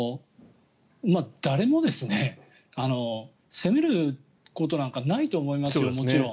誰も責めることなんかないと思いますよ。